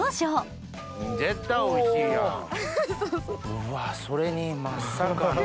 うわそれにまさかの。